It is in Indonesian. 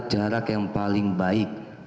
jarak yang paling baik